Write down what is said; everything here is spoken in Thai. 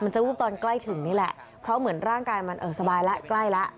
จะวูบตอนใกล้ถึงนี่แหละเพราะเหมือนร่างกายมันเออสบายแล้วใกล้แล้ว